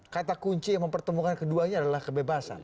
kata kunci yang mempertemukan keduanya adalah kebebasan